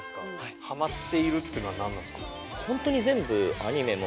ハマっているっていうのは何なんですか？